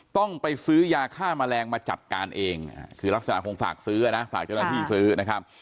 ต้องไปซื้อยาฆ่าแมลงมาจัดการเองคือลักษณะคงฝากซื้อนะฝากเจ้าหน้าที่ซื้อนะครับ